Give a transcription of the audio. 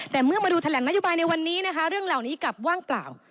แต่เมื่อมาดูแถลงนโยบายในวันนี้นะคะเรื่องเหล่านี้กลับว่างเปล่า